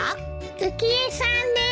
浮江さんです。